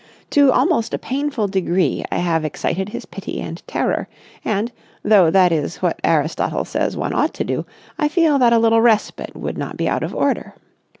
To almost a painful degree I have excited his pity and terror; and, though that is what Aristotle says one ought to do, I feel that a little respite would not be out of order.